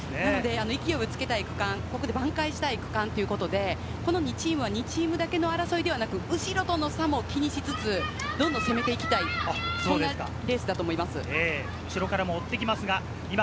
勢いをつけたい区間、挽回したい区間ということで、この２チームは２チームだけの争いではなく、後ろとの差も気にしつつ、どんどん攻めていきたい、そんなレースだと思います。